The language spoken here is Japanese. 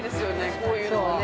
こういうのはね。